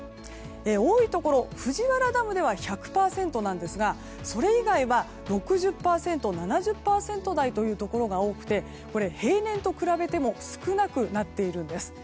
多いところ、藤原ダムでは１００％なんですがそれ以外は６０％、７０％台のところが多くて平年と比べても少なくなっているんです。